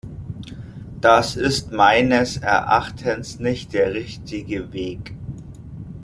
Das ist meines Erachtens nicht der richtige Weg.